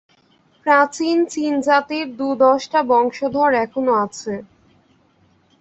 প্রাচীন চীন জাতির দু-দশটা বংশধর এখনও আছে।